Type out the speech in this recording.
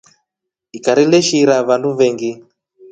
Ikari leshiira vandu veengi.